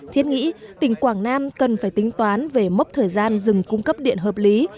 thiết nghĩ tỉnh quảng nam cần phải tính toán về mốc thời gian dừng cung cấp điện hợp lý